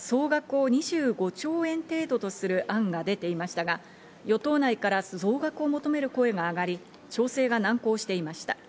政府からは総額を２５兆円程度とする案が出ていましたが、与党内から増額を求める声が上がり、調整が難航していました。